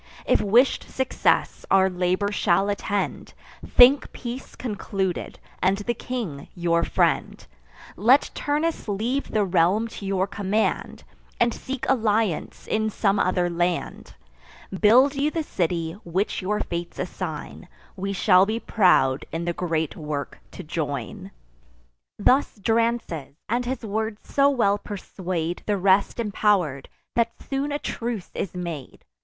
If wish'd success our labour shall attend, Think peace concluded, and the king your friend: Let Turnus leave the realm to your command, And seek alliance in some other land: Build you the city which your fates assign; We shall be proud in the great work to join." Thus Drances; and his words so well persuade The rest impower'd, that soon a truce is made.